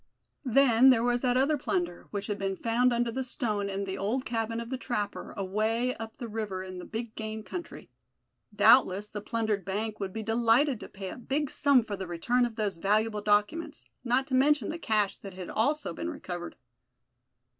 Then there was that other plunder, which had been found under the stone in the old cabin of the trapper, away up the river in the big game country. Doubtless the plundered bank would be delighted to pay a big sum for the return of those valuable documents, not to mention the cash that had also been recovered.